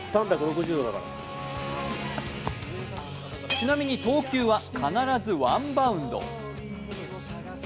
ちなみに投球は必ずワンバウンド。